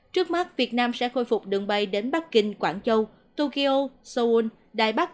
trước mắt việt nam sẽ khôi phục đường bay đến bắc kinh quảng châu tokyo seoul đài bắc